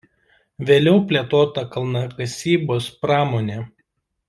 Vėliau plėtota kalnakasybos pramonė.